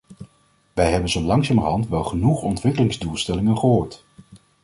Wij hebben zo langzamerhand wel genoeg ontwikkelingsdoelstellingen gehoord.